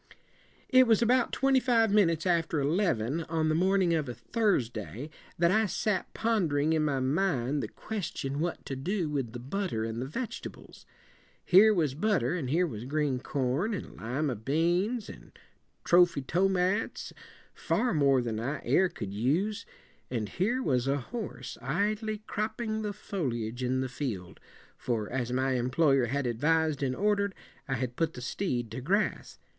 "'It was about twenty five minutes after eleven, on the morning of a Thursday, that I sat pondering in my mind the ques ti on what to do with the butter and the veg et ables. Here was butter, and here was green corn and lima beans and trophy tomats, far more than I ere could use. And here was a horse, idly cropping the fol i age in the field, for as my employer had advis ed and order ed, I had put the steed to grass.